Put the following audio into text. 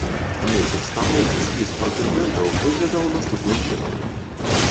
Месяц таму спіс прэтэндэнтаў выглядаў наступным чынам.